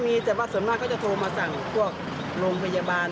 มีแต่ว่าส่วนมากเขาจะโทรมาสั่งพวกโรงพยาบาล